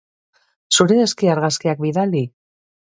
Zure eski argazkiak bidali!